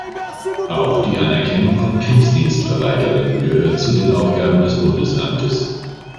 Auch die Anerkennung von Kriegsdienstverweigerern gehört zu den Aufgaben des Bundesamtes.